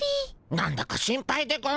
なんだか心配でゴンス。